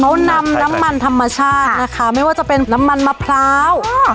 เขานำน้ำมันธรรมชาตินะคะไม่ว่าจะเป็นน้ำมันมะพร้าว